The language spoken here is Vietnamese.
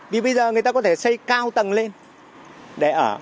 vì bây giờ người ta có thể xây cao tầng lên để ở